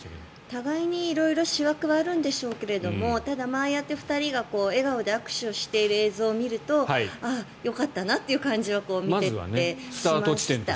互いに色々思惑はあるんでしょうがああやって２人が笑顔で握手している映像を見るとよかったなという感じは見ててしました。